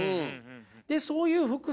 でそういうはあ。